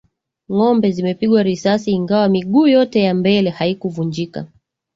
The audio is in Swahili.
Ng'ombe zimepigwa risasi ingawa miguu yote ya mbele haikuvunjika.